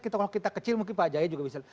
kalau kita kecil mungkin pak jaya juga bisa